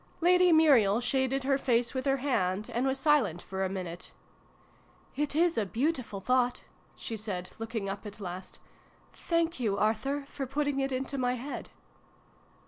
Lady Muriel shaded her face with her hand, and was silent for a minute. " It is a beautiful thought," she said, looking up at last. " Thank you Arthur, for putting it into my head